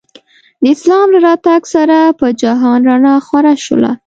د اسلام له راتګ سره په جهان رڼا خوره شوله.